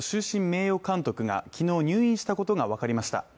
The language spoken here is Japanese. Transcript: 名誉監督が昨日入院したことが分かりました。